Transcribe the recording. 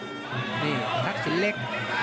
นี่ทักษิณเล็ก